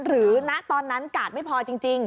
ณตอนนั้นกาดไม่พอจริง